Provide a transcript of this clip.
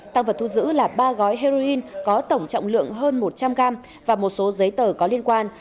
tăng vật thu giữ là ba gói heroin có tổng trọng lượng hơn một trăm linh gram và một số giấy tờ có liên quan